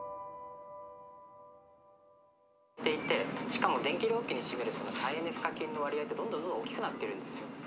「しかも電気料金の占めるその再エネ賦課金の割合ってどんどんどんどん大きくなってるんですよ」。